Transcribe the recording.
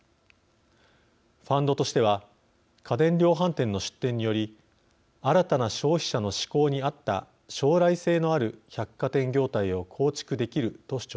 ファンドとしては家電量販店の出店により新たな消費者の嗜好に合った将来性のある百貨店業態を構築できると主張しています。